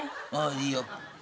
いいよ。